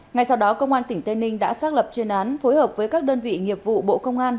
ngay sau đó công an tỉnh tây ninh đã xác lập chuyên án phối hợp với các đơn vị nghiệp vụ bộ công an